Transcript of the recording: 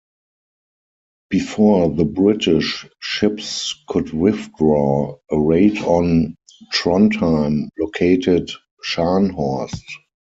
Before the British ships could withdraw, a raid on Trondheim located "Scharnhorst".